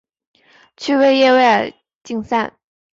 趣味野外竞赛。